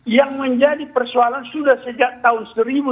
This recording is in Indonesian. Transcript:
yang menjadi persoalan sudah sejak tahun seribu sembilan ratus